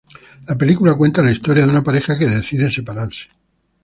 La película cuenta la historia de una pareja que decide separarse.